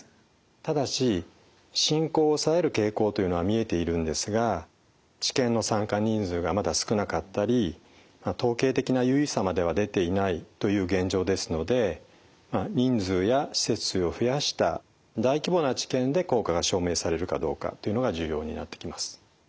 ただし進行を抑える傾向というのは見えているんですが治験の参加人数がまだ少なかったり統計的な有意差までは出ていないという現状ですので人数や施設数を増やした大規模な治験で効果が証明されるかどうかというのが重要になってきます。